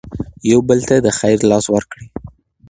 یو بل ته د خیر لاس ورکړئ.